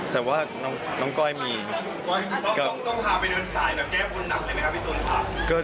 แต่ว่าน้องก้อยมี